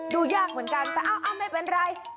ดูยากเหมือนกันแต่เอ้าไม่เป็นไร